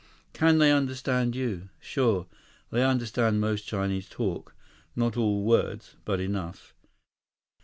"Can they understand you?" "Sure. They understand most Chinese talk. Not all words. But enough."